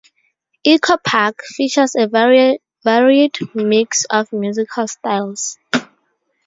"Echo Park" features a varied mix of musical styles.